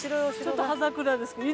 ちょっと葉桜で素敵ね。